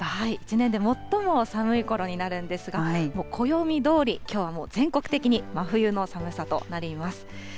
１年で最も寒いころとなるんですが、暦どおり、きょうはもう全国的に真冬の寒さとなります。